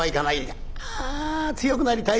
『ああ強くなりたい。